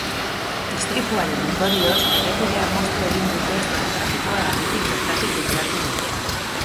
Istripuaren ondorioz, errepidea moztu egin dute eta trafikoa herritik bertatik bideratu dute.